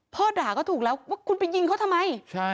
ด่าก็ถูกแล้วว่าคุณไปยิงเขาทำไม